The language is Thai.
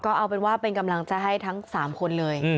ก็เอาเป็นว่าเป็นกำลังใจให้ทั้ง๓คนเลย